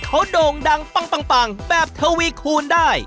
เขาโด่งดังปังแบบทวีคูณได้